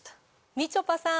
みちょぱさん